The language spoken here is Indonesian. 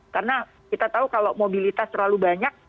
karena kita tahu kalau mobilitas terlalu banyak